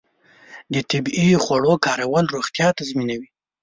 د طبیعي خوړو کارول روغتیا تضمینوي.